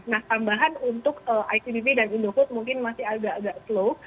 nah tambahan untuk icdv dan indofood mungkin masih agak agak flow